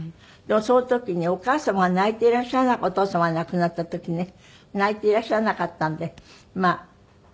でもその時にお母様が泣いていらっしゃらないお父様が亡くなった時ね泣いていらっしゃらなかったのでまあ